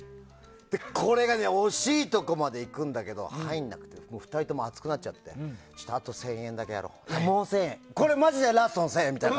これが惜しいところまで行くんだけど入らなくて２人とも熱くなっちゃってあと１０００円もう１０００円、これマジでラストの１０００円みたいな。